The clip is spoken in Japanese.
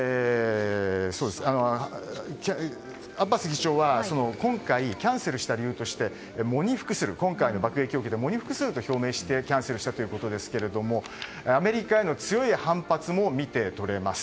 アッバス議長は今回キャンセルした理由について今回の爆撃を受けて喪に服すと表明してキャンセルしたということでアメリカへの強い反発も見て取れます。